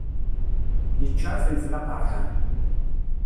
Yečča ifelfel aqeṛḥan.